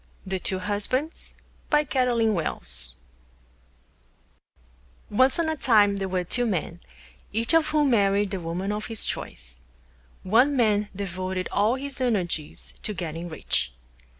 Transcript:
THE TWO HUSBANDS BY CAROLYN WELLS Once on a Time there were Two Men, each of whom married the Woman of his Choice. One Man devoted all his Energies to Getting Rich.